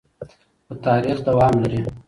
خو تاریخ دوام لري.